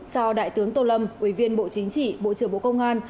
do đại tướng tô lâm ủy viên bộ chính trị bộ trưởng bộ công an